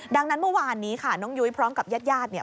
ดังนั้นเมื่อวานนี้ค่ะน้องยุ้ยพร้อมกับญาติ